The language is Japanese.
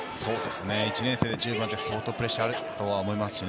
１年生で１０番って相当プレッシャーだと思いますしね。